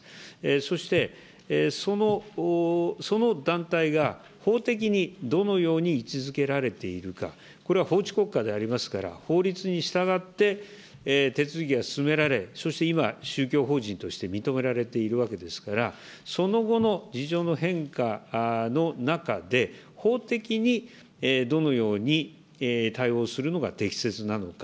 そして、その団体が、法的にどのように位置づけられているか、これは法治国家でありますから、法律に従って手続きが進められ、そして今、宗教法人として認められているわけですから、その後の事情の変化の中で、法的にどのように対応するのが適切なのか。